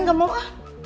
gak mau ah